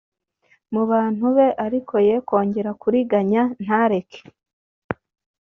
mu bantu be ariko ye kongera kuriganya ntareke